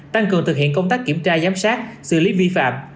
tăng cường thực hiện công tác kiểm tra giám sát xử lý vi phạm